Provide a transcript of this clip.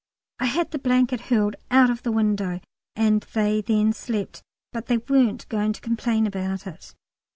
I had the blanket hurled out of the window, and they then slept. But they weren't going to complain about it.